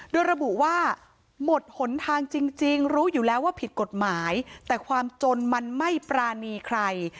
โดยระบุว่าหมดหนทางจริงรู้อยู่แล้วว่าผิดกฎหมายแต่ความจนมันไม่ปรานีใคร